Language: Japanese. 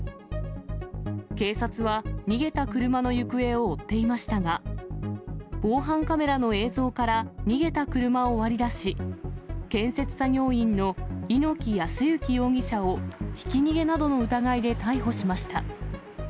警察は逃げた車の行方を追っていましたが、防犯カメラの映像から逃げた車を割り出し、建設作業員の猪木康之容疑者を、ひき逃げなどの疑いで逮捕しました。